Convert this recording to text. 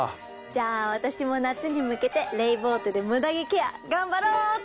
じゃあ私も夏に向けてレイボーテでムダ毛ケア頑張ろうっと！